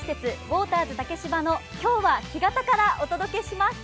ウォーターズ竹芝の今日は干潟からお届けします。